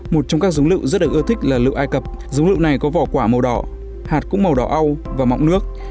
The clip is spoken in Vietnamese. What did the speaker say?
một trong các giống lựu rất được ưa thích là lựu ai cập giống lựu này có vỏ quả màu đỏ hạt cũng màu đỏ ao và mọng nước